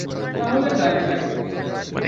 তাহলে গান গাই।